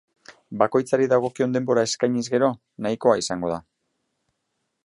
Bakoitzari dagokion denbora eskainiz gero, nahikoa izango da.